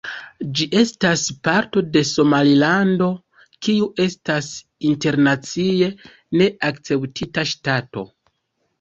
Ĝi estas parto de Somalilando, kiu estas internacie ne akceptita ŝtato.